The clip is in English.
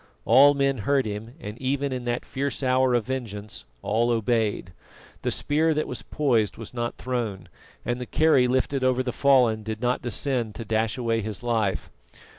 All men heard him, and, even in that fierce hour of vengeance, all obeyed. The spear that was poised was not thrown, and the kerry lifted over the fallen did not descend to dash away his life.